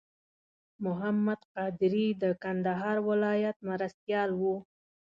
محمد قادري د کندهار ولایت مرستیال و.